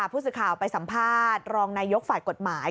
ผู้สื่อข่าวไปสัมภาษณ์รองนายกฝ่ายกฎหมาย